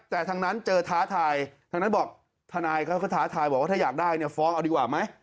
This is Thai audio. แต่ทั้งนั้นเจอท้าทายท้านายเขาก็ท้าทายบอกว่าถ้าอยากได้ฟ้องเอาดีกว่าไหม